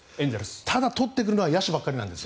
ただ、取ってくるのは野手ばかりなんです。